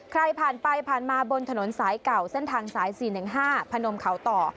ใครผ่านไปผ่านมาบนถนนสายเก่าเส้นทางสาย๔๑๕พนมเขาต่อ